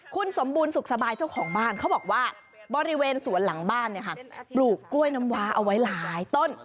คุณสมบูรณสุขสบายเจ้าของบ้านเขาบอกว่าบริเวณสวนหลังบ้านเนี่ยค่ะปลูกกล้วยน้ำว้าเอาไว้หลายต้น